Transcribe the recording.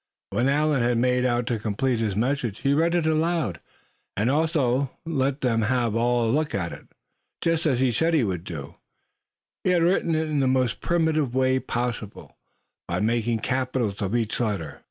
When Allan had made out to complete his "message" he read it aloud, and also let them all have a look at it. Just as he had said he would do, he had written it in the most primitive way possible, by making capitals of each letter.